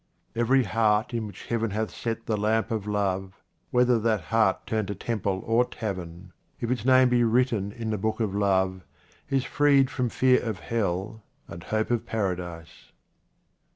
Every heart in which Heaven hath set the lamp of love, whether that heart turn to temple or tavern, if its name be written in the book of love, is freed from fear of hell and hope of Paradise.